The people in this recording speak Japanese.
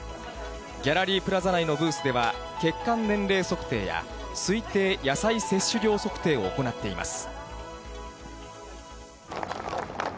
ギャラリープラザ内のブースでは、血管年齢測定や、推定野菜摂取量測定を行っています。